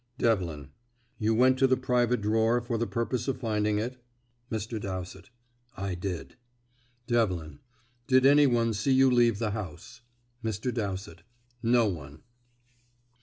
Devlin: "You went to the private drawer for the purpose of finding it?" Mr. Dowsett: "I did." Devlin: "Did any one see you leave the house?" Mr. Dowsett: "No one."